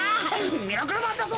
「ミラクルマンだぞ。